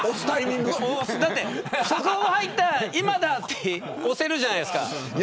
速報入った、今だって押せるじゃないですか。